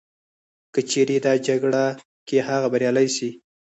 که چیري په دا جګړه کي هغه بریالی سي